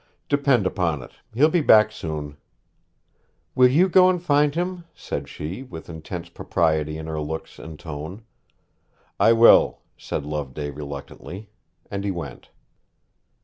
'Depend upon it, he'll be back soon.' 'Will you go and find him?' said she, with intense propriety in her looks and tone. 'I will,' said Loveday reluctantly; and he went.